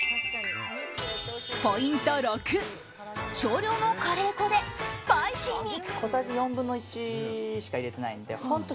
ポイント６少量のカレー粉でスパイシーに。